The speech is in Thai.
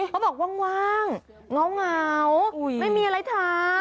บอกว่างเหงาไม่มีอะไรทำ